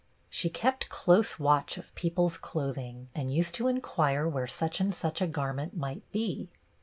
She kept close watch of people's clothing, and used to inquire where sucli and such a gar ment might be.